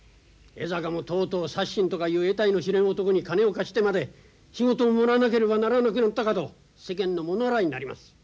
江坂もとうとうサッシンとかいうえたいの知れん男に金を貸してまで仕事をもらわなければならなくなったかと世間の物笑いになります。